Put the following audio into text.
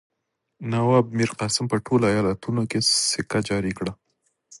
نواب میرقاسم په ټولو ایالتونو کې سکه جاري کړه.